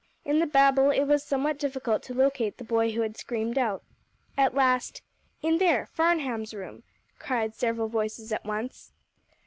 In the babel, it was somewhat difficult to locate the boy who had screamed out. At last, "In there, Farnham's room," cried several voices at once.